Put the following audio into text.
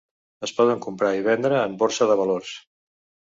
Es poden comprar i vendre en borsa de valors.